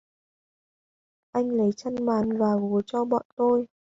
Anh lấy chăn màn và gối cho bọn tôi